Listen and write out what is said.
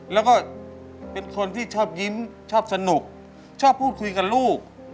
แล้วก็เป็นคนที่ชอบยิ้มชอบสนุกชอบพูดคุยกับลูก